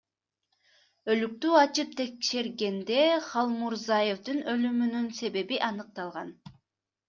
Өлүктү ачып текшергенде Халмурзаевдин өлүмүнүн себеби аныкталган.